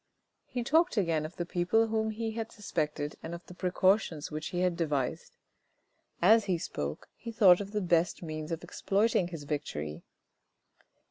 He talked again of the people whom he had suspected and of the precautions which he had devised. As he spoke, he thought of the best means of exploiting his victory.